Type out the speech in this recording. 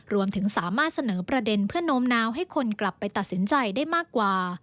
รวมถึงสามารถเสนอประเด็นเพื่อโน้มน้าวให้คนกลับไปตัดสินใจได้มากกว่า